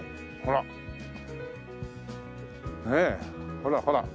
ほらほら。